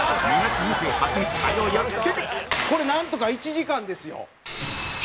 これなんとか１時間ですよ。